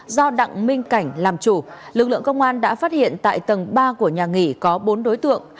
do đặng minh cảnh làm chủ lực lượng công an đã phát hiện tại tầng ba của nhà nghỉ có bốn đối tượng